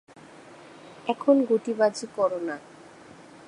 এখন গুটিবাজি কোরো না।